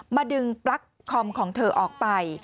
ดึงปลั๊กคอมของเธอออกไป